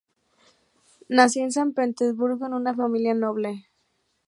Nació en San Petersburgo, en una familia noble.